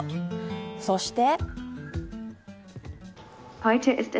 そして。